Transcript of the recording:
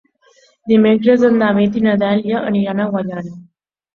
Dimecres en David i na Dèlia aniran a Agullana.